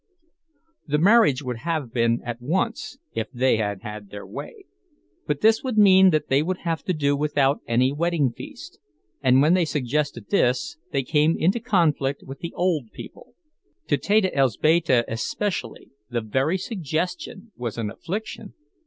The marriage would have been at once, if they had had their way; but this would mean that they would have to do without any wedding feast, and when they suggested this they came into conflict with the old people. To Teta Elzbieta especially the very suggestion was an affliction.